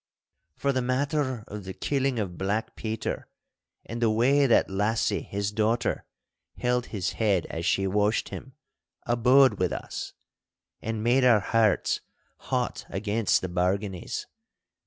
For the matter of the killing of Black Peter, and the way that lassie his daughter held his head as she washed him, abode with us, and made our hearts hot against the Barganies.